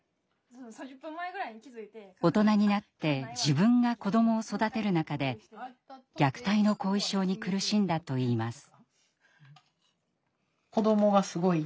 大人になって自分が子どもを育てる中で虐待の“後遺症”に苦しんだといいます。